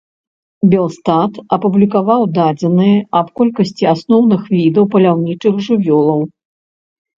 Белстат апублікаваў дадзеныя аб колькасці асноўных відаў паляўнічых жывёлаў.